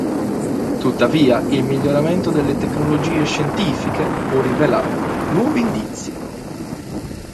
Tuttavia il miglioramento delle tecnologie scientifiche può rivelare nuovi indizi.